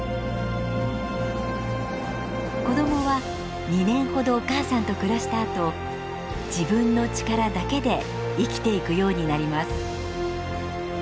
子どもは２年ほどお母さんと暮らしたあと自分の力だけで生きていくようになります。